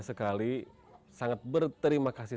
sekali sangat berterima kasih